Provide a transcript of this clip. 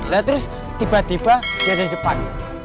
ya terus tiba tiba dia di depan